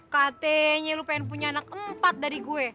katanya lo pengen punya anak empat dari gue